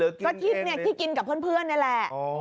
ก็กินเนี่ยที่กินกับเพื่อนนี่แหละ